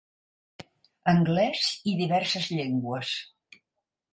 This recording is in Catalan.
Anglès i diverses llengües.